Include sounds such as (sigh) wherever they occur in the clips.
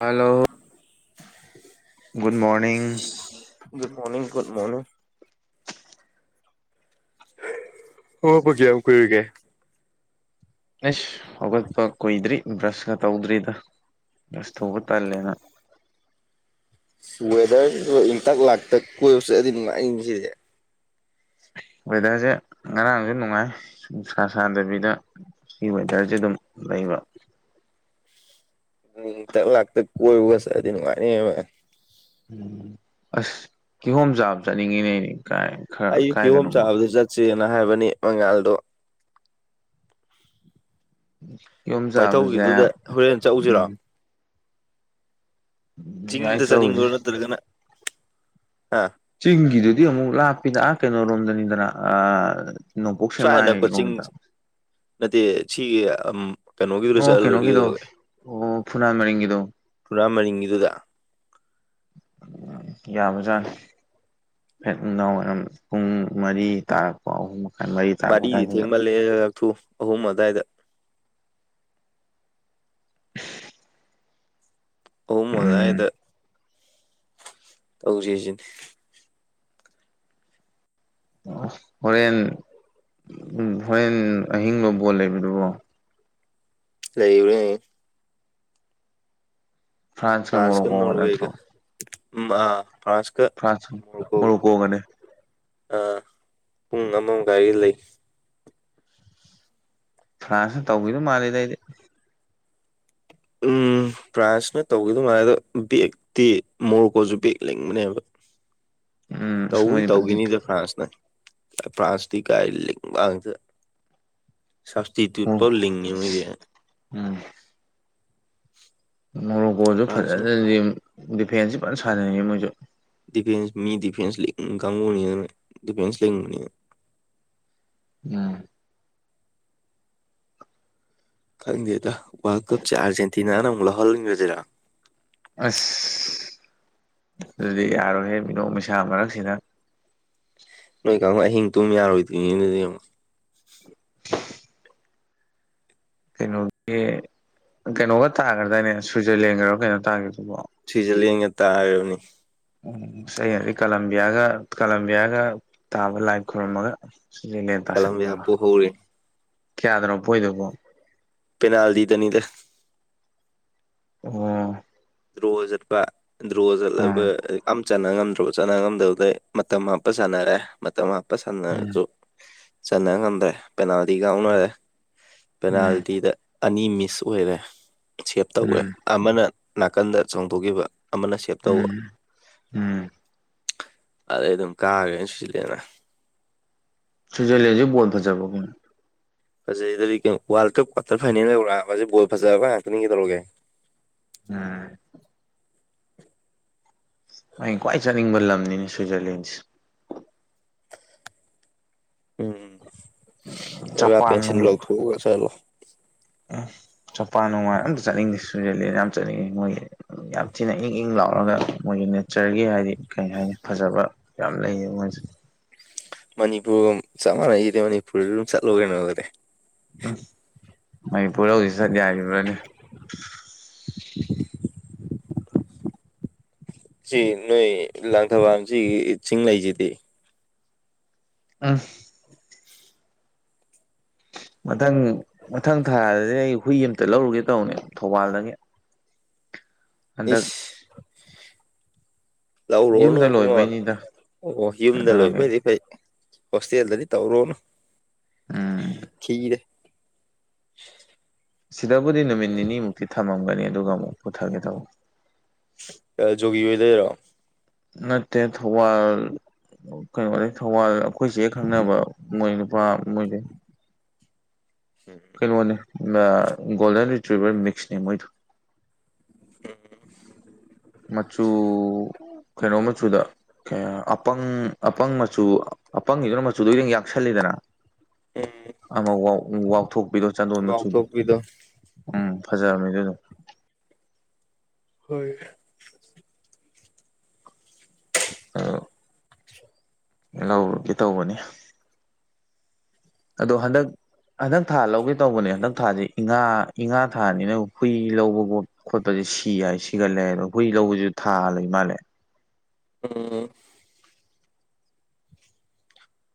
Hello good morning good morning good morning ꯑꯣ ꯄꯨ ꯀꯌꯥ ꯑꯃꯨ ꯀꯔꯒꯦ ꯑꯁ ꯍꯧꯒꯠꯄ ꯀꯨꯏꯗ꯭ꯔꯤ ꯕ꯭ꯔꯁꯀ ꯇꯧꯗ꯭ꯔꯤꯗ ꯕ꯭ꯔꯁ ꯇꯧꯕ ꯇꯜꯂꯦꯅ꯫ ꯋꯦꯗꯔꯁꯤꯁꯨ ꯏꯪꯇꯛ ꯂꯥꯛꯇꯛ ꯀꯣꯏꯕꯆꯠ ꯂꯥꯗꯤ ꯅꯨꯡꯉꯏꯅꯤꯅꯦ ꯁꯤꯗꯤ꯫ ꯋꯦꯗꯔꯁꯦ ꯉꯔꯥꯡꯁꯨ ꯅꯨꯡꯉꯥꯏꯅꯨꯡ ꯁꯥ ꯁꯥꯗꯕꯤꯗ꯫ ꯁꯤ ꯋꯦꯗꯔꯁꯦ ꯑꯗꯨꯝ ꯂꯩꯕ꯫ ꯏꯇꯛ ꯂꯥꯛꯇ ꯀꯣꯏꯕꯒ ꯆꯠꯂꯗꯤ ꯅꯨꯡꯉꯥꯏꯅꯤꯕ꯫ ꯑꯁ ꯀꯤꯍꯣꯝꯆꯥꯥꯕ ꯆꯠꯅꯤꯡꯉꯤꯅꯦ ꯑꯩꯗꯤ ꯀꯥꯏ꯫ ꯈꯔ ꯑꯩ ꯀꯤꯍꯣꯝ ꯀꯥꯏꯗꯅꯣꯃ ꯆꯥꯕꯗ ꯆꯠꯁꯦꯅ ꯍꯥꯏꯕꯅꯤ ꯃꯉꯥꯜꯗꯣ꯫ ꯌꯨꯝ꯫ ꯋꯥꯏꯊꯧꯒꯤꯗꯨꯗ ꯍꯣꯔꯦꯟ ꯆꯠꯎꯁꯤꯔꯣ꯫ ꯆꯤꯡꯤꯡꯗꯁ ꯅꯤꯡ ꯌꯥꯏꯆꯧꯁꯦ ꯑꯣꯏꯅ ꯑꯗꯨꯔꯒꯅꯥ ꯍꯥ ꯆꯤꯡꯒꯤꯗꯨꯗꯤ ꯑꯃꯨꯛ ꯂꯥꯞꯄꯤꯗ ꯀꯩꯅꯔꯣꯝꯗꯅꯤꯗꯅ ꯁ꯭ꯋꯥꯏ ꯑꯅꯛꯄ ꯆꯤꯡ ꯅꯄꯣꯛꯁꯃꯑꯗ ꯅꯠꯇꯦ ꯁꯤꯒꯤ ꯀꯩꯅꯣꯒꯤꯗꯨꯗ ꯑꯣ ꯆꯠꯂ ꯂꯣꯏꯔꯦ ꯀꯩꯅꯣꯒꯤꯗꯣ ꯀꯩꯗꯧꯔꯒꯦ ꯑꯣ ꯐꯨꯅꯥ ꯃꯔꯤꯡꯒꯤꯗꯣ ꯄꯨꯔꯥ ꯃꯔꯤꯡꯒꯤꯗꯨꯗ ꯎ ꯌꯥꯕꯖꯥꯠꯅꯤ ꯐꯦꯠ ꯅꯨꯡꯗꯥꯡꯏꯔꯝ ꯄꯨꯡ ꯃꯔꯤ ꯇꯥꯔꯛꯄ ꯑꯍꯨꯝ ꯃꯈꯥꯏ ꯃꯔꯤ ꯇꯥꯔꯛꯄ ꯃꯔꯤꯗꯤ ꯑꯗꯨꯋꯥꯏꯗꯨꯗ ꯊꯦꯡꯃꯜꯂꯦꯊꯨ ꯑꯍꯨꯝ ꯑꯗꯨꯋꯥꯏꯗ ꯑꯍꯨꯝ ꯎꯝ ꯑꯗꯥꯏꯗ ꯇꯧꯁ ꯁꯤꯅꯤ꯫ ꯍꯣꯔꯦꯟ ꯍꯣꯔꯦꯟ ꯑꯍꯤꯡ ꯂꯣ ꯕꯣꯜ ꯂꯩꯕꯗꯨꯕꯣ꯫ ꯂꯩꯕꯔꯦ꯫ ꯐ꯭ꯔꯥꯟꯁꯀ ꯐ꯭ꯔꯥꯟꯁ ꯀꯥ ꯃꯣꯔꯣꯀꯣꯒ ꯅꯣꯔꯋꯦꯒ ꯅꯠꯇ꯭ꯔꯣ ꯎꯝ ꯑꯥ ꯐ꯭ꯔꯥꯟꯁ꯫ ꯐ꯭ꯔꯥꯟꯁ ꯃꯣꯔꯣꯀꯣꯒꯅꯦ꯫ ꯑ ꯄꯨꯡ ꯑꯃꯃꯥꯏꯒꯤ ꯂꯩ꯫ ꯐ꯭ꯔꯥꯟꯁꯅ ꯇꯧꯒꯤꯗꯧ ꯃꯥꯜꯂꯤꯗ ꯑꯩꯗꯤ꯫ ꯎꯝ꯫ ꯐ꯭ꯔꯥꯟꯁꯅ ꯇꯧꯈꯤꯗꯣ ꯃꯥꯂꯦ ꯑꯗꯣ ꯕꯦꯛꯇꯤ ꯃꯣꯔꯣꯀꯣꯁꯨ ꯕꯦꯒ ꯂꯤꯡꯕꯅꯦꯕ꯫ ꯎꯝ ꯑꯁ ꯇꯧꯕꯨꯗꯤ ꯃꯣꯏꯗꯤ ꯇꯧꯈꯤꯅꯤꯗ ꯐ꯭ꯔꯥꯟꯁꯅ ꯐ꯭ꯔꯥꯟꯁꯇꯤ ꯀꯥꯏ ꯂꯤꯡꯕ ꯉꯥꯛꯇ꯫ ꯁꯞꯁꯇꯤꯇ꯭ꯌꯨꯠ ꯐꯥꯎ ꯂꯤꯡꯉꯦ ꯃꯣꯏꯁꯦ꯫ ꯎꯝ꯫ ꯃꯣꯔꯣꯀꯣꯁꯨ ꯐ꯭ꯔꯥꯟꯁꯅ ꯐꯖꯅꯗꯤ ꯗꯤꯐꯦꯟꯁꯁꯨ ꯐꯖꯅ ꯁꯥꯟꯅꯩꯌꯦ ꯃꯣꯏꯁꯨ꯫ ꯗꯤꯐꯦꯟꯁ ꯃꯤ ꯗꯤꯐꯦꯟꯁ ꯂꯤꯡ ꯀꯥꯡꯒꯨꯅꯤ ꯑꯗꯨꯅ ꯗꯤꯐꯦꯟꯁ ꯂꯤꯡꯕꯅꯦꯕ꯫ (inaudible) ꯈꯪꯗꯦꯗ ꯋꯥꯔꯜ ꯀꯞꯁꯦ ꯑꯥꯔꯖꯦꯟꯇꯤꯅꯥꯅ ꯑꯃꯨꯛ ꯂꯧꯍꯟꯈ꯭ꯔꯁꯤꯔꯥ꯫ ꯑꯁ ꯑꯗꯨꯗꯤ ꯌꯥꯔꯣꯏꯍꯦ ꯃꯤꯅꯣꯛ ꯃꯩꯁꯥ ꯃꯔꯛꯁꯤꯗ꯫ ꯅꯣꯏ ꯀꯥꯡꯒꯨ ꯑꯍꯤꯡ ꯇꯨꯝ ꯌꯥꯔꯣꯏꯗ꯭ꯔꯤ ꯑꯗꯨꯗꯤ ꯌꯦꯡꯉꯨ꯫ (unintelligible) ꯀꯩꯅꯣꯒꯤ ꯀꯩꯅꯣꯒ ꯇꯥꯒ꯭ꯔꯗꯥꯅꯦ ꯁꯨꯏꯖꯔꯂꯦꯟꯒꯔꯣ ꯀꯩꯅꯣ ꯇꯥꯒꯤꯗꯨꯕꯣ꯫ ꯁꯨꯏꯖꯔꯂꯦꯟꯒ ꯂꯦꯟ ꯇꯥꯔꯤꯕꯅꯤ꯫ ꯑꯁ ꯑꯩꯅꯗꯤ ꯀꯂꯝꯕꯤꯌꯥꯒ ꯀꯂꯝꯕꯤꯌꯥꯒ ꯇꯥꯕ ꯂꯥꯏ ꯈꯨꯔꯝꯃꯒ꯫ ꯀꯂꯥꯝꯕꯤꯌꯥ ꯄꯣꯍꯧꯔꯦ꯫ ꯀꯌꯥꯗꯅꯣ ꯄꯣꯏꯗꯨꯕꯣ꯫ ꯄꯦꯅꯥꯜꯇꯤꯗꯅꯤꯗ꯫ ꯑꯣ꯫ ꯗ꯭ꯔꯣꯆꯠꯄ ꯗ꯭ꯔꯣꯆꯠꯂꯕ ꯎꯝ ꯑꯝ꯫ ꯆꯠꯅ ꯉꯝꯗ꯭ꯔꯣ ꯆꯠꯅ ꯉꯝꯗꯕꯗꯩ ꯃꯇꯝ ꯍꯥꯞꯄ ꯁꯥꯟꯅꯔꯦ ꯃꯇꯝ ꯍꯥꯞꯄ ꯁꯥꯟꯅꯔꯁꯨ꯫ ꯆꯟꯅ ꯉꯝꯗ꯭ꯔꯦ ꯄꯦꯅꯥꯜꯇꯤ ꯀꯥꯎꯅꯔꯦ ꯎꯝ ꯄꯦꯅꯥꯜꯇꯤꯗ꯫ ꯑꯅꯤ ꯃꯤꯁ ꯑꯣꯏꯔꯦ ꯁꯦꯞ ꯇꯧꯈꯦ ꯎꯝ ꯑꯃꯅ ꯅꯥꯀꯟꯗ ꯆꯣꯡꯊꯣꯛꯈꯤꯕ꯫ ꯑꯃꯅ ꯁꯦꯞ ꯇꯧꯕ ꯎꯝ ꯎꯝ ꯎꯝ ꯑꯗꯩ ꯑꯗꯨꯝ ꯀꯥꯈ꯭ꯔꯦꯅ ꯁꯨꯏꯖꯥꯔꯂꯦꯟꯅ꯫ ꯁꯨꯏꯖꯔꯂꯦꯟ ꯍꯧꯖꯤꯛ ꯕꯣꯜ ꯐꯥꯖꯕꯔꯣ ꯀꯩꯅꯣ꯫ ꯐꯖꯩꯗꯗꯤ ꯋꯥꯔꯜ ꯀꯞ ꯀ꯭ꯋꯥꯇꯔ ꯐꯥꯏꯅꯦꯜ ꯌꯧꯔꯛꯑꯕꯁꯤ ꯕꯣꯜ ꯐꯖꯕ ꯉꯥꯛꯇꯅꯤ ꯀꯩꯇꯧꯔꯒꯦ꯫ ꯑ꯫ ꯑꯩꯅ ꯈ꯭ꯋꯥꯏ ꯆꯠꯅꯤꯡꯕ ꯂꯝꯅꯤ ꯁ꯭ꯋꯤꯖꯔꯂꯦꯟꯁꯦ ꯎꯝꯝ ꯖꯄꯥꯟ ꯆꯠꯂꯣ ꯎꯝ ꯆꯝꯄꯥꯟ ꯅꯨꯡꯉꯥꯏꯅ ꯑꯝꯇ ꯆꯠꯅꯤꯡꯗꯦꯁꯨ ꯇꯨꯔꯦꯜꯂꯦꯟ ꯌꯥꯝ ꯆꯠꯅꯤꯡꯉꯦ ꯃꯣꯏꯒꯤ ꯌꯥꯝ ꯊꯤꯅ ꯏꯪ ꯏꯪ ꯂꯥꯎꯔꯒ ꯃꯣꯏꯒꯤ ꯅꯦꯆꯔꯒꯤ ꯍꯥꯏꯗꯤ ꯀꯩ ꯍꯥꯏꯅꯤ ꯐꯖꯕ ꯌꯥꯝ ꯂꯩꯌꯦ ꯃꯣꯏꯁꯦ ꯃꯅꯤꯄꯨꯔꯒ ꯆꯞ ꯃꯥꯟꯅꯩꯗꯤ ꯃꯅꯤꯄꯨꯔꯗ ꯑꯗꯨꯝ ꯆꯠꯂꯨ ꯀꯩꯅꯣꯒꯗꯤ ꯎꯝ ꯃꯅꯤꯄꯨꯔ ꯍꯧꯖꯤꯛ ꯆꯠ ꯌꯥꯔꯤꯕ꯭ꯔꯅꯦ꯫ ꯁꯤ ꯅꯣꯏ ꯂꯥꯡꯊꯕꯥꯝ ꯁꯤꯒꯤ ꯆꯤꯡ ꯂꯩꯁꯤꯗꯤ꯫ (unintelligible) ꯃꯊꯪ ꯃꯊꯪ ꯊꯥꯗꯗꯤ ꯑꯩ ꯍꯨꯏ ꯑꯃꯇ ꯂꯧꯔꯨꯒꯦ ꯇꯧꯕꯅꯦ ꯊꯧꯕꯥꯜꯗꯒꯤ꯫ ꯍꯟꯗꯛ ꯏꯁ꯫ ꯂꯧꯔꯨꯔꯅꯨ ꯌꯨꯝꯗ ꯏꯕꯨꯡꯉꯣ ꯂꯣꯏꯕꯩꯅꯤꯗ ꯑꯣ ꯀꯩꯅꯣ ꯌꯨꯝꯗ ꯂꯣꯏꯕ ꯇꯧꯔꯒꯦ ꯑꯣꯏꯗꯤ ꯐꯩ꯫ ꯍꯣꯁꯇꯦꯜꯗꯗꯤ ꯇꯧꯔꯨꯔꯅꯨ ꯎꯝ ꯈꯤꯔꯦ꯫ ꯁꯤꯗꯕꯨꯗꯤ ꯅꯨꯃꯤꯠ ꯅꯤꯅꯤꯃꯨꯛꯇꯤ ꯊꯝꯃꯝꯒꯅꯤ ꯑꯗꯨꯒ ꯑꯃꯨꯛ ꯄꯨꯊꯒꯦ ꯇꯧꯕ ꯒꯤ ꯑꯣꯏꯗꯔꯣ ꯅꯠꯇꯦ ꯊ ꯋꯥ ꯀꯩꯅꯣꯗ ꯊꯧꯕꯥꯜ ꯑꯩꯈꯣꯏꯁꯦ ꯍꯦꯛ ꯈꯪꯅꯕ ꯃꯣꯏ ꯅꯨꯄꯥ ꯃꯣꯏꯁꯦ ꯍ ꯀꯩꯅꯣꯅꯦ ꯒꯣꯜꯗꯟ ꯔꯤꯇ꯭ꯨꯕꯔ ꯃꯤꯛꯁꯅꯦ ꯃꯣꯏꯗꯣ ꯎꯝ ꯃꯆꯨ ꯀꯩꯅꯣ ꯃꯆꯨꯗ ꯑꯄꯪ ꯑꯄꯪ ꯃꯆꯨ ꯑꯄꯪꯒꯤꯗꯨꯅ ꯃꯆꯨꯗꯣ ꯈꯤꯇꯪ ꯌꯥꯛꯁꯜꯂꯤꯗꯅ ꯎꯝ ꯑꯃ ꯋꯥꯥꯎꯊꯣꯛꯄꯤꯔꯣ ꯆꯥꯟꯗꯣꯟ ꯃꯆꯨꯗꯣ ꯉꯥꯎꯊꯣꯛꯄꯤꯗꯣ ꯎꯝ ꯐꯖꯔꯝꯅꯤ ꯑꯗꯨ ꯑꯗꯨꯝ ꯍꯣꯏ ꯑ ꯂꯧꯔꯒꯦ ꯇꯧꯕꯅꯤ ꯑꯗꯣ ꯍꯟꯗꯛ ꯍꯟꯗꯛ ꯊꯥ ꯂꯧꯒꯦ ꯇꯧꯕꯅꯦ ꯍꯟꯗꯛ ꯊꯥꯁꯦ ꯏꯉꯥ ꯏꯉꯥ ꯊꯥꯅꯤꯅ ꯍꯨꯏ ꯂꯧꯕꯒꯨꯝꯠ ꯈꯣꯠꯄꯁꯦ ꯁꯤ ꯍꯥꯏ ꯁꯤꯒꯜꯂꯦꯕ ꯍꯨꯏ ꯂꯧꯕꯁꯨ ꯊꯥ ꯂꯩ ꯃꯥꯜꯂꯦ ꯎꯝ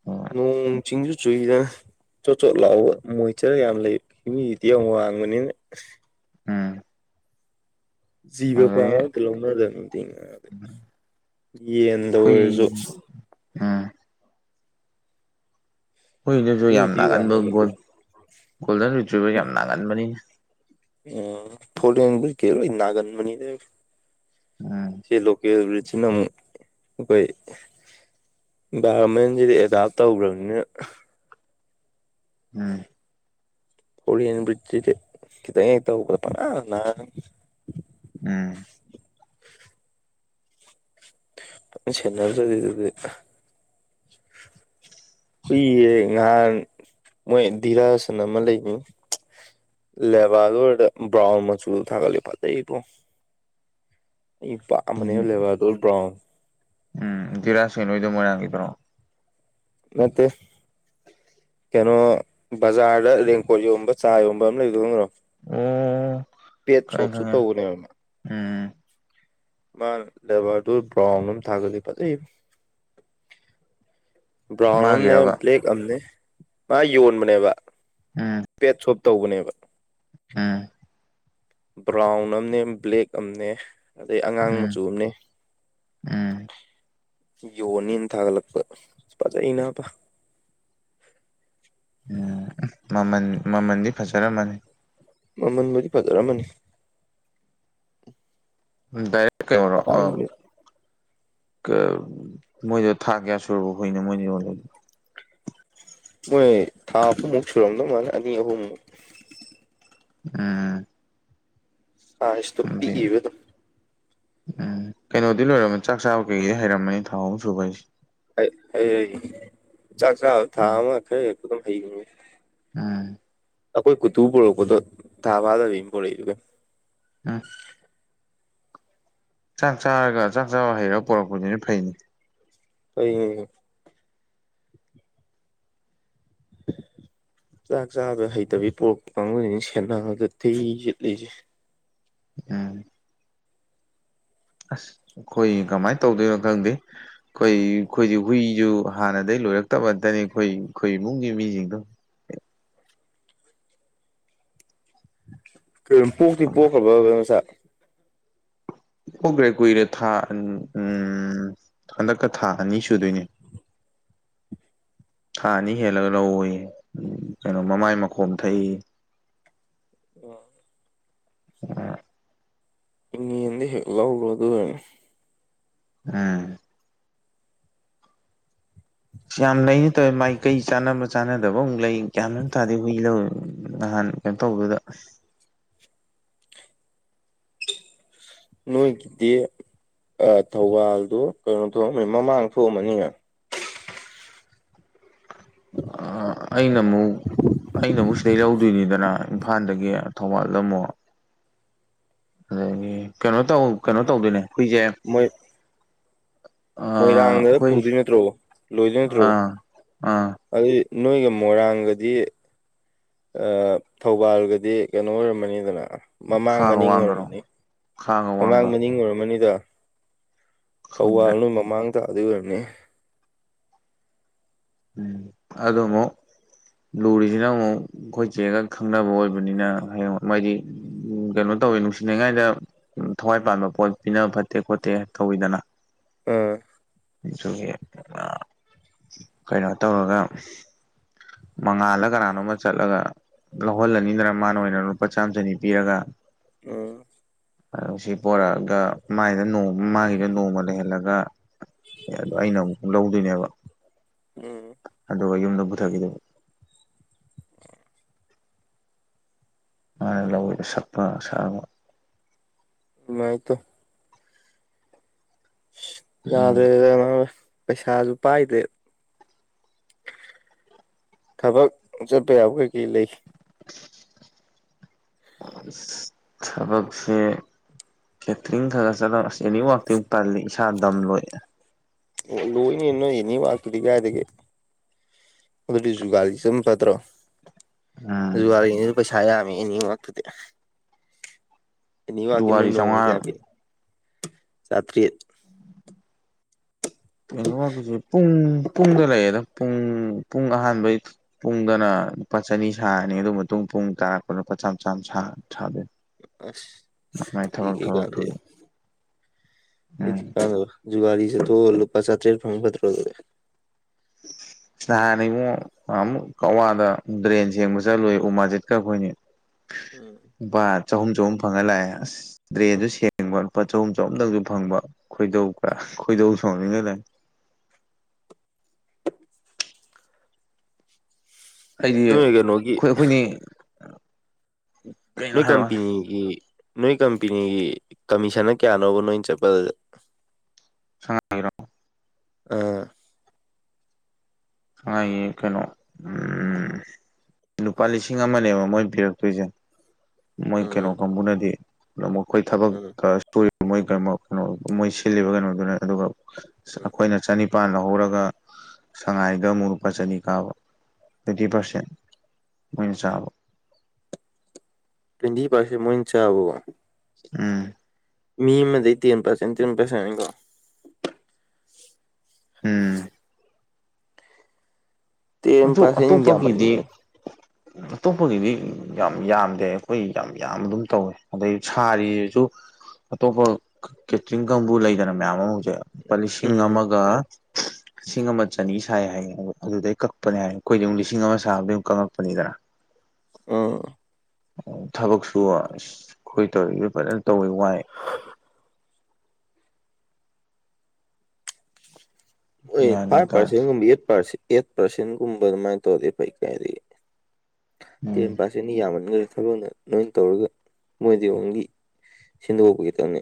ꯑꯣ ꯅꯣꯡ ꯆꯤꯡꯁꯨ ꯆꯨꯏꯗ ꯆꯣꯠ ꯆꯣꯠ ꯂꯥꯛꯕ ꯃꯣꯏ ꯆꯔ ꯌꯥꯝ ꯂꯩ ꯃꯤꯗꯤ ꯌꯥꯝ ꯋꯥꯡꯕꯅꯤꯅ ꯎꯝ ꯖꯤꯕ ꯄꯥ ꯑꯗꯒꯤ ꯉꯛꯇ ꯂꯧꯅꯗ ꯑꯗꯨꯝ ꯇꯦꯡꯉꯦ ꯌꯦꯟꯗ ꯑꯣꯏꯔꯁꯨ ꯑꯥ ꯍꯨꯏꯗꯨꯁꯨ ꯌꯥꯝ ꯍ꯭ꯌꯨꯃꯤꯗꯤꯇꯤ ꯅꯥꯒꯟꯕ ꯒꯣꯜ ꯋꯥꯡꯕꯅꯤ ꯒꯣꯜꯗꯟ ꯔꯤꯇ꯭ꯕꯔ ꯌꯥꯝ ꯅꯥꯒꯟꯕꯅꯤꯅ ꯑ ꯊ ꯀꯦꯔꯣ ꯏ ꯅꯥꯒꯟ ꯃꯅꯤꯗꯦ ꯎꯝ ꯁꯤ ꯂꯁꯤꯅ ꯑꯩꯈꯣꯏ ꯏꯟꯚꯥꯏꯔꯣꯟꯃꯦꯟꯁꯤꯗꯤ ꯑꯦꯗꯥꯞ ꯇꯧꯈ꯭ꯔꯕꯅꯤꯅ ꯎꯝ ꯍꯣꯂꯤ ꯌꯦꯟꯕꯠꯖꯦ ꯀꯈꯤꯇ ꯇꯧꯕꯗ ꯄꯅꯥ ꯅ ꯎꯝ ꯆꯟꯅꯔ ꯆꯗꯦ ꯍꯨꯏꯌꯦ ꯉꯍꯥꯟ ꯃꯣꯏ ꯗꯤꯔꯥꯁ ꯅꯥ ꯑꯃ ꯂꯩꯕꯗꯣ ꯂꯦꯕꯥꯗꯣ ꯭ꯕꯔꯥꯎꯟ ꯃꯆꯨꯗ ꯊꯒꯠꯂꯦ ꯐꯜꯖꯩ ꯄꯣ ꯏ ꯃꯅꯦ ꯎꯝ ꯂꯕ ꯑꯗꯨꯣꯕ꯭ꯔꯣ ꯎꯝ ꯖꯤꯔꯥꯥꯁꯦꯟꯣꯏꯗꯣ ꯃꯣꯏꯔꯥꯡꯒꯤꯕ꯭ꯔꯣ ꯃꯦ ꯀꯩꯅꯣ ꯕꯖꯥꯔꯗ ꯔꯦꯡꯀꯣꯠ ꯌꯣꯟꯕ ꯆꯥ ꯌꯣꯟꯕ ꯑꯃ ꯂꯩꯕꯗꯣ ꯈꯪꯗꯔꯣ ꯑꯣ ꯄꯦꯠ ꯈꯪꯉꯦ ꯁꯣꯞꯁꯨ ꯈꯪꯉꯦ ꯇꯧꯕꯅꯦ ꯃꯥ ꯎꯝ ꯃꯥ ꯂꯦꯕꯔꯗꯨ ꯕ꯭ꯔꯥꯎꯟ ꯑꯃ ꯊꯥꯒꯠꯂꯤ ꯐꯖꯩ ꯕ꯭ꯔꯥꯎꯟ ꯑꯝꯅꯦ ꯃꯥꯒꯤꯔꯕ ꯕ꯭ꯂꯦꯛ ꯑꯝꯅꯦ ꯃꯥ ꯌꯣꯟꯕꯅꯦꯕ ꯎꯝ ꯄꯦꯠ ꯁ‌ꯣꯞ ꯇꯧꯕꯅꯦꯕ ꯎꯝ ꯕ꯭ꯔꯥꯎꯟ ꯑꯅꯦ ꯕ꯭ꯂꯦꯛ ꯑꯅꯦ ꯑꯗꯩ ꯑꯉꯥꯡ ꯎꯝ ꯃꯆꯨ ꯑꯝꯅꯦ ꯎꯝ ꯌꯣꯅꯤꯅ ꯊꯥꯒꯠꯂꯛꯄ ꯐꯖꯩꯩꯅ ꯎꯝ ꯃꯃꯜ ꯃꯃꯜꯗꯤ ꯐꯖꯔꯝꯃꯅꯤ ꯃꯃꯟꯕꯨꯗꯤ ꯐꯖꯔꯝꯃꯅꯤ ꯗꯥꯏꯔ ꯀꯔꯣ ꯑ ꯇꯥꯡꯉꯤ ꯃꯣꯏꯗ‌ꯣ ꯊꯥ ꯀꯌꯥ ꯁꯨꯔꯕ ꯍꯨꯏꯅ‌ꯣ ꯃꯣꯏꯅ ꯌꯣꯜꯂꯤꯗ‌ꯣ ꯃꯣꯏ ꯊꯥ ꯑꯍꯨꯝꯃꯨꯛ ꯁꯨꯔꯝꯗꯧ ꯃꯥꯜ ꯑꯅꯤ ꯑꯍꯨꯝꯃꯨꯛ ꯎꯝ (unintelligible) ꯇ‌ꯣ ꯄꯤꯛꯏꯕ ꯑꯗꯨꯝ ꯎꯝ ꯀꯩꯅꯣꯗꯤ ꯂꯣꯏꯔꯝꯃ ꯆꯥꯛ ꯆꯥꯕ ꯀꯩꯗꯤ ꯍꯩꯔꯝꯃꯅꯤ ꯊꯥ ꯑꯍꯨꯝ ꯁꯨꯕ ꯍꯥꯏꯁꯦ ꯍꯩ ꯍꯩ ꯆꯥꯛ ꯆꯥꯕ ꯊꯥ ꯎꯝ ꯑꯝ ꯈꯔ ꯍ‌ꯦꯜꯂꯛꯄꯗ ꯗꯨꯝ ꯍꯩꯕꯅ‌ꯦ ꯎꯝ ꯑꯩꯈꯣꯏ ꯀꯨꯇꯨ ꯄꯨꯔꯛꯄꯗꯣ ꯊꯥ ꯐꯥꯗꯕꯤ ꯄꯔꯛꯏꯗꯨ ꯀꯩ (unintelligible) ꯎꯝ ꯆꯥꯛ ꯆꯥꯔꯒ ꯆꯥꯛ ꯆꯥꯕ ꯍꯩꯔꯒ ꯄꯣꯔꯛꯄꯗꯨꯅ ꯐꯩꯅꯤ ꯐꯩꯑꯦ ꯆꯥꯛ ꯆꯥꯕ ꯍꯩꯇꯕꯤ ꯄꯣꯔꯛꯄ ꯀꯥꯡꯕꯨꯁꯤꯅ‌ꯦ ꯁꯦꯟꯅꯕꯗ ꯊꯤ ꯆꯤꯠꯂꯤꯁꯦ ꯎꯝ ꯑꯁ ꯑꯩꯈꯣꯏ ꯀꯃꯥꯏ ꯇꯧꯗꯣꯏꯅꯣ ꯈꯪꯗꯦ ꯑꯩꯈꯣꯏ ꯑꯩꯈꯣꯏꯗꯤ ꯍꯨꯏꯁꯨ ꯍꯥꯟꯅꯗꯒꯤ ꯂꯣꯏꯔꯛꯇꯕ ꯉꯥꯇꯅꯤ ꯑꯩꯈꯣꯏ ꯑꯩꯈꯣꯏ ꯏꯃꯨꯡꯒꯤ ꯃꯤꯁꯤꯡꯗꯣ ꯀꯩꯅ‌ꯣ ꯄꯣꯛꯇꯤ ꯄꯣꯛꯈ꯭ꯔꯕꯕ ꯃꯆꯥ ꯄ‌ꯣꯛꯈ꯭ꯔꯦ ꯀꯨꯏꯔꯦ ꯊꯥ ꯎꯝ ꯍꯟꯗꯛꯀ ꯊꯥ ꯑꯅꯤ ꯁꯨꯗꯣꯏꯅꯦ ꯊꯥ ꯑꯅꯤ ꯍꯦꯜꯂꯒ ꯂꯧꯋ‌ꯣꯌꯦ ꯀꯩꯅꯣ ꯃꯃꯥꯏ ꯃꯈꯣꯝ ꯊꯛꯏ ꯑꯣ (unintelligible) ꯏꯉ‌ꯦꯟꯗ ꯍꯦꯛ ꯂꯧꯔꯣ ꯑꯗꯨꯏ ꯑꯣꯏꯔꯅ ꯎꯝ ꯌꯥꯝ ꯂꯩꯅ ꯇꯧꯋꯦ ꯃꯥꯏꯀꯩ ꯆꯥꯟꯅꯕ ꯆꯥꯟꯅꯗꯕ ꯑꯃꯨꯛ ꯂꯩ ꯒ꯭ꯌꯥꯟꯃ‌‌ꯦꯟ ꯑꯝꯇꯥꯗꯦ ꯍꯨꯏ ꯂꯧꯔꯨ ꯅꯍꯥꯟ ꯀꯩꯝ ꯇꯧꯕꯗꯨꯗ ꯅꯣꯏꯒꯤꯗꯤ ꯑꯥ ꯊꯧꯕꯥꯜꯗꯨ ꯀꯩꯅꯣ ꯊꯣꯛꯑꯝꯃ ꯃꯃꯥꯡ ꯊꯣꯛꯑꯝꯃꯅꯤꯅꯦ (unintelligible) ꯑꯩꯅ ꯑꯃꯨꯛ ꯑꯩꯅ ꯑꯃꯨꯛ ꯁꯤꯗꯩ ꯂꯧꯗꯣꯏꯅꯤꯗꯅ ꯏꯝꯐꯥꯜꯗꯒꯤ ꯊꯧꯕꯥꯜꯗ ꯑꯃꯨꯛ ꯑꯗꯒꯤ ꯀꯩꯅꯣ ꯇꯧ ꯀꯩꯅꯣ ꯇꯧꯗꯣꯏꯅꯦ ꯍꯨꯏꯁꯦ ꯃꯣꯏ ꯃꯣꯏꯔꯥꯡꯗ ꯑꯩꯈꯣꯏ ꯄꯨꯗꯣꯏ ꯅꯠꯇ꯭ꯔꯣ ꯂꯣꯏꯗꯣꯏ ꯅꯠꯇ꯭ꯔꯣ ꯑꯥ ꯑꯥ ꯑꯗꯨꯏ ꯅꯣꯏꯒ ꯃꯣꯏꯔꯥꯡꯒꯗꯤ ꯑꯥ ꯊꯧꯕꯥꯜꯒꯗꯤ ꯀꯩꯅꯣ ꯑꯣꯏꯔꯝꯃꯅꯤꯗꯅ ꯃꯃꯥꯡ ꯈꯥꯒ ꯃꯅꯤꯡ ꯋꯥꯡꯒꯔꯣ ꯑꯣꯏꯔꯝꯃꯅꯤ ꯈꯥꯒ ꯃꯃꯥꯡ ꯋꯥꯡꯒ ꯃꯅꯤꯡ ꯑꯣꯏꯔꯝꯃꯅꯤꯗ ꯈꯪꯗꯦ ꯊꯧꯕꯥꯜ ꯅꯣꯏ ꯃꯃꯥꯡ ꯇꯥꯗ‌ꯣꯏ ꯑꯣꯏꯔꯝꯅꯤ ꯎꯝ ꯑꯗꯨꯃꯨꯛ ꯂꯨꯔꯤꯁꯤꯅ ꯑꯃꯨꯛ ꯑꯩꯈꯣꯏ ꯆꯦꯛꯒ ꯈꯪꯅꯕ ꯑꯣꯏꯕꯅꯤꯅ ꯍꯌꯦꯡ ꯃꯣꯏꯗꯤ ꯎꯝ ꯀꯩꯅꯣ ꯇꯧꯋꯦ ꯅꯨꯡꯁꯤꯅꯤꯉꯥꯏꯗ ꯊꯋꯥꯏ ꯄꯥꯟꯕ ꯄꯣꯠ ꯄꯤꯅꯕ ꯐꯠꯇꯦ ꯈꯣꯠꯇꯦ ꯇꯧꯋꯤꯗꯅ ꯎꯝ (unintelligible) ꯀꯩꯅꯣ ꯇꯧꯔꯒ ꯃꯉꯥꯜꯂ ꯀꯅꯥꯅꯣꯝꯃ ꯆꯠꯂꯒ ꯂꯧꯍꯜꯂꯅꯤꯗꯅ ꯃꯥꯅ ꯑꯣꯏꯅ ꯂꯨꯄꯥ ꯆꯥꯝꯃ ꯆꯅꯤ ꯄꯤꯔꯒ ꯑꯣ ꯑꯗꯣ ꯁꯤ ꯄꯣꯔꯛꯑꯒ ꯃꯥꯏꯗ ꯅꯣꯡꯃ ꯃꯥꯒꯤꯗ ꯅꯣꯡꯃ ꯂꯩꯍꯜꯂꯒ ꯑꯦ ꯑꯗꯨ ꯑꯩꯅ ꯑꯃꯨꯛ ꯂꯧꯗꯣꯏꯅꯦꯕ ꯎꯝ (unintelligible) ꯌꯨꯝꯗ ꯄꯨꯊꯈꯤꯗꯨꯏ ꯃꯥ ꯂꯧꯋ‌ꯦ ꯁꯛꯇꯥ ꯑꯁꯥꯡꯕ ꯃꯥꯏꯇꯣ ꯎꯝ ꯌꯥꯗ꯭ꯔꯦ (unintelligible) ꯄꯩꯁꯥꯁꯨ ꯄꯥꯏꯗꯦ ꯊꯕꯛ ꯆꯠꯄ ꯌꯥꯕ ꯀꯩ ꯀꯩ ꯂꯩ (inaudible) ꯊꯕꯛꯁꯦ ꯀꯦꯇꯔꯤꯡ ꯈꯔ ꯆꯠꯂ ꯑꯁ ꯑꯦꯅꯤ ꯋꯥꯛꯇꯤꯡ ꯇꯜꯂꯦ ꯏꯁꯥ ꯗꯝ ꯂꯣꯏ ꯑꯣ ꯂꯣꯏꯅ ꯅꯣꯏ ꯑꯦꯅꯤ ꯋꯥꯀꯤꯗꯤꯒꯗꯒꯦ ꯑꯗꯨꯗꯤ ꯖꯨꯒꯥꯂꯤꯁꯨ ꯑꯗꯨꯝ ꯐꯠꯇ꯭ꯔꯣ ꯎꯝ ꯖꯨꯒꯥꯔꯤꯅꯤꯁꯨ ꯄꯩꯁꯥ ꯌꯥꯝꯃꯦ ꯑꯦꯅꯤꯃꯛꯇꯨꯗꯤ ꯑꯦꯅꯤ ꯋꯥꯛꯀꯤꯅ ꯖꯨꯋꯥꯔꯤ ꯅꯣꯡꯃꯗ ꯀꯌꯥ ꯆꯥꯝꯃꯉꯥ ꯄꯤ ꯆꯥꯇꯔꯦꯠ ꯀꯩꯅꯣꯁ ꯄꯨꯡ ꯄꯨꯡꯗ ꯂꯩꯌꯦꯗ ꯄꯨꯡ ꯄꯨꯡ ꯑꯍꯥꯟꯕꯩ ꯄꯨꯡꯗꯅ ꯂꯨꯄꯥ ꯆꯅꯤ ꯁꯥꯔꯅꯤ ꯑꯗꯨ ꯃꯇꯨꯡ ꯄꯨꯡ ꯇꯥꯔꯛꯄꯗꯅꯄꯥ ꯆꯥꯝ ꯆꯥꯝ ꯁꯥꯗꯣꯏ ꯑꯁ ꯃꯥꯏ ꯃꯥꯏ (unintelligible) ꯊꯕꯛ ꯊꯕꯛ ꯊꯨꯕ ꯎꯝ ꯖꯨꯒꯥꯔꯤ ꯆꯠꯊꯣꯛꯑꯒ ꯂꯨꯄꯥ ꯆꯥꯇ꯭ꯔꯦꯠ ꯐꯪꯒꯗ꯭ꯔꯣꯗꯦ ꯅꯍꯥꯟꯅꯤ ꯏꯉꯛ ꯑꯃꯨꯛ ꯀꯛꯋꯥꯗ ꯗ꯭ꯔꯦꯟ ꯁꯦꯡꯕ ꯆꯠꯂꯨꯏ ꯎꯃꯖꯤꯠꯀ ꯑꯩꯈꯣꯏꯅꯤ ꯎꯝ ꯆꯍꯨꯝ ꯆꯍꯨꯝ ꯐꯪꯉ ꯂꯥꯛꯑꯦ ꯑꯁ ꯇ꯭ꯔꯦꯁꯨ ꯁꯦꯡꯕ ꯂꯨꯄꯥ ꯆꯍꯨꯝ ꯆꯍꯨꯝꯗꯪꯁꯨ ꯐꯪꯕ ꯈꯣꯏꯗꯧ ꯈ ꯈꯣꯏꯗꯧ ꯁꯣꯡꯅꯤꯡꯉꯥꯏ ꯂ ꯑꯩꯗꯤ ꯅꯣꯏ ꯀꯩꯅꯣꯒꯤ ꯈꯣꯏ ꯑꯩꯈꯣꯏꯅꯤ ꯀꯩꯅꯣ ꯅꯣꯏ ꯍꯥꯏꯔꯛꯑꯣ ꯀꯝꯄꯅꯤꯒꯤ ꯅꯣꯏ ꯀꯝꯄꯅꯤꯒꯤ ꯀꯃꯤꯁꯟꯅ ꯀꯌꯥꯅꯣꯕ ꯅꯣꯏ ꯆꯠꯄꯗ ꯁꯉꯥꯏꯒꯤꯔꯣ ꯑꯥ ꯁꯉꯥꯏꯒꯤ ꯀꯩꯅꯣ ꯂꯨꯄꯥ ꯂꯤꯁꯤꯡ ꯑꯃꯅꯦꯕ ꯃꯣꯏ ꯄꯤꯔꯛꯇꯣꯏꯁꯦ ꯃꯣꯏ ꯀꯩꯅꯣ ꯎꯝ ꯀꯥꯡꯕꯨꯅꯗꯤ ꯑꯩꯈꯣꯏ ꯊꯕꯛ ꯎꯝ ꯔꯤꯕ ꯃꯣꯏ ꯀꯩꯅꯣ ꯃꯣꯏ ꯁꯤꯜꯂꯤꯕ ꯀꯩꯅꯣꯗꯨꯅ ꯑꯗꯨꯒ ꯎꯝ ꯑꯩꯈꯣꯏꯅ ꯆꯅꯤꯡ ꯨꯄꯥꯥꯟ ꯂꯧꯍꯧꯔꯒ ꯁꯉꯥꯏꯗ ꯑꯃꯨꯛ ꯂꯨꯄꯥ ꯆꯅꯤ ꯀꯥꯕ ꯇ꯭ꯋꯦꯟꯇꯤ ꯄꯥꯔꯁꯦꯟ ꯃꯣꯏꯅ ꯆꯥꯕ ꯄꯦꯟꯗꯤ ꯄꯥꯔꯁꯦꯟ ꯃꯣꯏ ꯆꯥꯕꯣ ꯑꯝ ꯃꯤ ꯑꯃꯗꯒꯤ ꯇꯦꯟ ꯄꯁ ꯇꯦꯟ ꯄꯥꯏꯁꯥꯅꯤꯀꯣ ꯎꯝ ꯇ ꯑꯗꯨ ꯄꯥꯔꯁꯦꯟ ꯑꯇꯣꯞꯄꯒꯤꯗꯤ ꯌꯥꯃꯟꯒꯔꯦꯗ ꯑꯇꯣꯞꯄꯒꯤꯗꯤ ꯌꯥꯝ ꯌꯥꯝꯗꯦ ꯑꯩꯈꯣꯏ ꯌꯥꯝ ꯌꯥꯝꯕ ꯑꯗꯨꯝ ꯇꯧꯋꯦ ꯑꯗꯩ ꯁꯥꯔꯤꯁꯤꯁꯨ ꯑꯇꯣꯞꯄ ꯈ ꯀꯦꯇ꯭ꯔꯤꯡ ꯀꯥꯡꯒꯨ ꯂꯩꯗꯅ ꯃꯌꯥꯝ ꯑꯃ ꯍꯧꯖꯤꯛ ꯂꯨꯄꯥ ꯂꯤꯁꯤꯡ ꯎꯝ ꯑꯃꯒ ꯂꯤꯁꯤꯡ ꯑꯃ ꯆꯅꯤ ꯁꯥꯏ ꯍꯥꯏꯌꯦ ꯑꯗꯨ ꯑꯗꯨꯗꯩ ꯀꯛ ꯀꯄꯅꯤ ꯍꯥꯏꯔ ꯑꯩꯈꯣꯏꯗꯤ ꯑꯃꯛ ꯂꯤꯁꯤꯡ ꯑꯃ ꯁꯥꯕꯗ ꯑꯗꯨꯝ ꯀꯪꯉꯛꯄꯅꯤꯗꯅ ꯑꯝ ꯊꯕꯛꯁꯨ ꯑꯁ ꯑꯩꯈꯣꯏ ꯇꯧ ꯐꯖꯅ ꯇꯧꯋꯤ ꯋꯥꯏ (unintelligible) (inaudible) ꯑꯦ ꯒ꯭ꯌꯥꯟꯒ ꯐꯥꯏꯚ ꯇꯥꯗꯦ ꯄꯥ꯭ꯔꯁꯦꯟꯒꯨꯝꯕ ꯑꯦꯠ ꯄ꯭ꯥꯔꯁ‌ꯦꯟ ꯑꯦꯠ ꯄꯥꯔꯁꯦꯟꯒꯨꯝꯕ ꯑꯗꯨꯃꯥꯏꯅ ꯇꯧꯔꯐꯩ ꯀꯥꯏꯗꯤ ꯎꯝ ꯇ‌ꯦꯟ ꯄꯥꯁ ꯆꯟꯅꯤ ꯌꯥꯝꯃꯟꯈ꯭ꯔꯦ ꯊꯥꯕꯛꯅ ꯅꯣꯏꯅ ꯇꯧꯔꯒ ꯃꯣꯏꯗꯤ ꯑ‌ꯣꯡꯂꯤ ꯁꯤꯟꯗꯣꯛꯄ ꯈꯛꯇꯪꯅꯦ